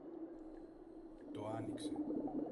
το άνοιξε